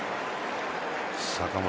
坂本